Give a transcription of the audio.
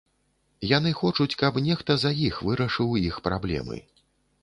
Яны хочуць, каб нехта за іх вырашыў іх праблемы.